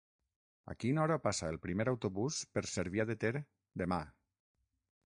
A quina hora passa el primer autobús per Cervià de Ter demà?